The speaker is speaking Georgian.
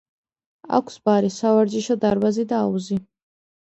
აქვს ბარი, სავარჯიშო დარბაზი და აუზი.